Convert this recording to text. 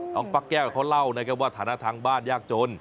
ฟักแก้วเขาเล่านะครับว่าฐานะทางบ้านยากจน